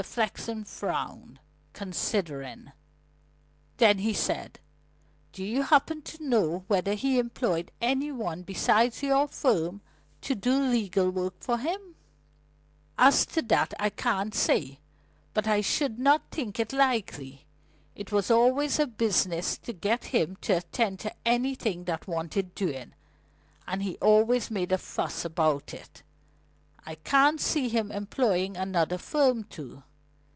Mr. Flexen frowned, considering; then he said: "Do you happen to know whether he employed any one besides your firm to do legal work for him?" "As to that I can't say. But I should not think it likely. It was always a business to get him to attend to anything that wanted doing, and he always made a fuss about it. I can't see him employing another firm too.